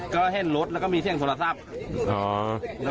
ก็เห็นรถแล้วก็มีเสียงโทรศัพท์